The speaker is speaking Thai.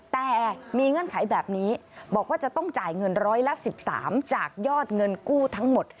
แต่มีเงื่อนไขแบบนี้บอกว่าจะต้องจ่ายเงินร้อยละ๑๓จากยอดเงินกู้ทั้งหมด